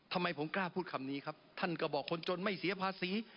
ทำไมผมกล้าพูดคำนี้ครับท่านก็บอกคนจนไม่เสียภาษี